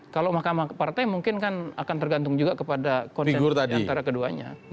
kalau mahkamah partai mungkin kan akan tergantung juga kepada konsentrasi antara keduanya